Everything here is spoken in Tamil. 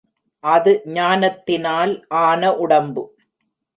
அது ஞானத்தினால் ஆன உடம்பு.